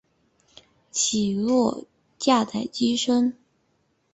起落架在机身。